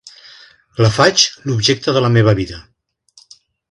La faig l'objecte de la meva vida.